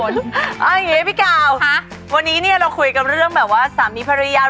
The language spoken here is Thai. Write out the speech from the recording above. เอาอย่างนี้พี่กาวค่ะวันนี้เนี่ยเราคุยกันเรื่องแบบว่าสามีภรรยา